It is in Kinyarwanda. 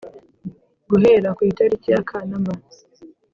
Guhera ku itariki ya kanama